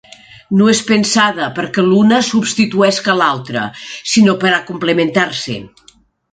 No és pensada perquè l’una substituesca l’altra, sinó per a complementar-se.